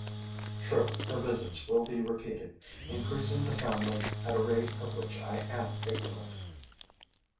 True, her visits will be repeated, increasing the family at a rate of which I am ignorant.